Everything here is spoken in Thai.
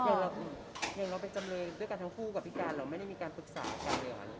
อย่างเราเป็นจำเลยด้วยกันทั้งคู่กับพี่การเราไม่ได้มีการปรึกษากันเลยเหรอ